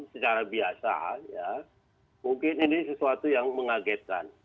secara biasa ya mungkin ini sesuatu yang mengagetkan